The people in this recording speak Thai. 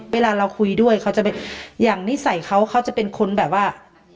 เวลาเราคุยด้วยเขาจะอย่างนิสัยเขาเขาจะเป็นคนแบบว่า